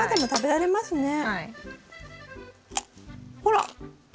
ほら！